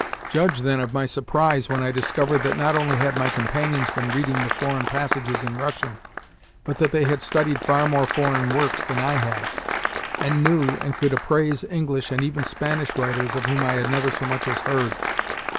Judge, then, of my surprise when I discovered that not only had my companions been reading the foreign passages in Russian, but that they had studied far more foreign works than I had, and knew and could appraise English, and even Spanish, writers of whom I had never so much as heard!